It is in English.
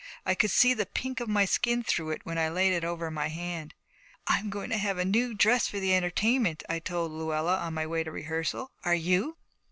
I could see the pink of my skin through it when I laid it over my hand. 'I'm going to have a new dress for the entertainment,' I told Luella on my way to rehearsal. 'Are you?'